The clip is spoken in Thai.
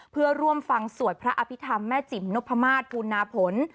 เพื่อร่วมฟังสวดพระอภิษฐรรมแม่จิ๋มนพมาศภูนาผล